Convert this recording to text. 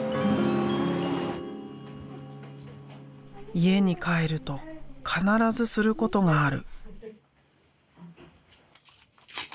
家に帰ると必ずすることがある。